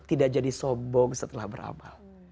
tidak jadi sombong setelah beramal